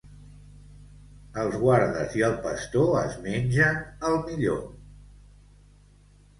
Els guardes i el pastor es mengen el millor.